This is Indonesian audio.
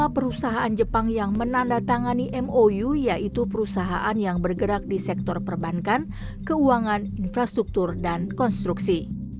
lima perusahaan jepang yang menandatangani mou yaitu perusahaan yang bergerak di sektor perbankan keuangan infrastruktur dan konstruksi